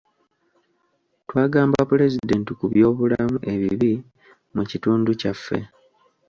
Twagamba pulezidenti ku byobulamu ebibi mu kitundu kyaffe.